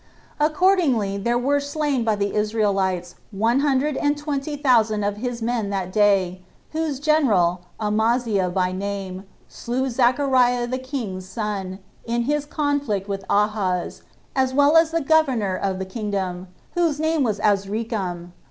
Accordingly there were slain by the Israelites one hundred and twenty thousand of his men that day, whose general, Amaziah by name, slew Zechariah the king's son, in his conflict with Ahaz, as well as the governor of the kingdom, whose name was Azricam.